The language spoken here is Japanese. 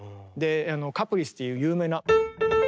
「カプリース」という有名な。